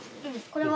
これは？